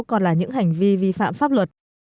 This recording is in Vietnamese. còn là những hành vi vi phạm pháp luật